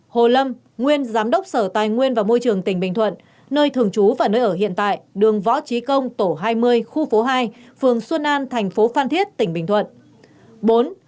hai hồ lâm nguyên giám đốc sở tài nguyên và môi trường tỉnh bình thuận nơi thường trú và nơi ở hiện tại đường võ trí công tổ hai mươi khu phố hai phường xuân an thành phố phan thiết tỉnh bình thuận